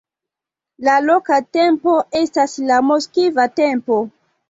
La loka tempo estas la moskva tempo.